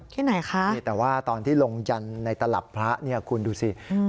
ที่ไหนคะนี่แต่ว่าตอนที่ลงยันในตลับพระเนี่ยคุณดูสิอืม